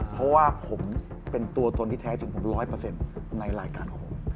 เพราะว่าผมเป็นตัวตนที่แท้ถึงผม๑๐๐ในรายการของผม